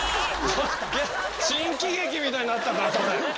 新喜劇みたいになったから。